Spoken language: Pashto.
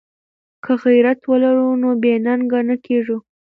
که غیرت ولرو نو بې ننګه نه کیږو.